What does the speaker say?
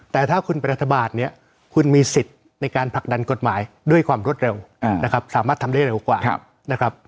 แต่ถ้าคุณเป็นรัฐบาลเนี่ยคุณมีสิทธิ์ในการผลักดันกฎหมายด้วยความรวดเร็วนะครับสามารถทำได้เร็วกว่านะครับ